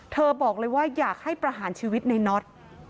บอกเลยว่าอยากให้ประหารชีวิตในน็อต